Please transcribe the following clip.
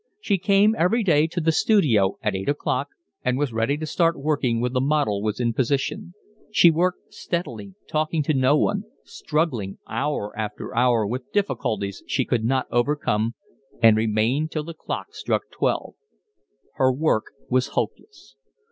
She came every day to the studio at eight o'clock, and was ready to start working when the model was in position; she worked steadily, talking to no one, struggling hour after hour with difficulties she could not overcome, and remained till the clock struck twelve. Her work was hopeless.